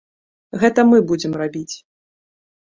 Гэта мы будзем рабіць.